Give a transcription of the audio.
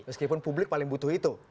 meskipun publik paling butuh itu